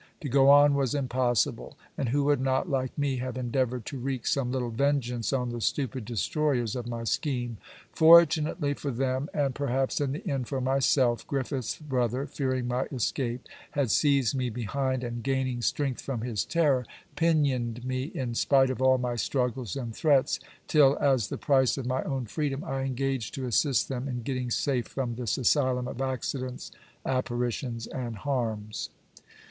To go on was impossible; and who would not, like me, have endeavoured to wreak some little vengeance on the stupid destroyers of my scheme. Fortunately for them, and perhaps in the end for myself, Griffiths' brother, fearing my escape, had seized me behind; and gaining strength from his terror, pinioned me in spite of all my struggles and threats till, as the price of my own freedom, I engaged to assist them in getting safe from this asylum of accidents, apparitions, and harms.